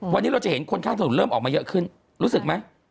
วันนี้เราจะเห็นคนข้างถนนเริ่มออกมาเยอะขึ้นรู้สึกไหม